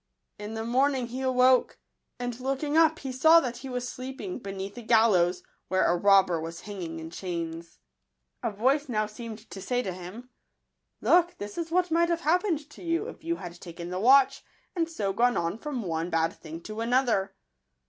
In the morning he awoke; and looking up, he saw that he was sleeping beneath a gal lows, where a robber was hanging in chains. 66 i j r .> wuw j te v. ' .h ■■ v. ' a A voice now seemed to say to him, " Look, this is what might have happened to you, if you had taken the watch, and so gone on from one bad thing to another."